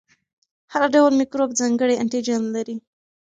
هر ډول میکروب ځانګړی انټيجن لري.